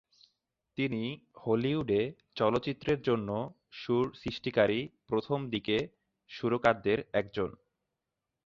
তিনি হলিউডে চলচ্চিত্রের জন্য সুর সৃষ্টিকারী প্রথম দিকে সুরকারদের একজন।